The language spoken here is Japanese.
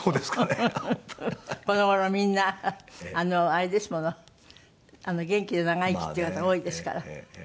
この頃みんなあれですもの元気で長生きって方が多いですから。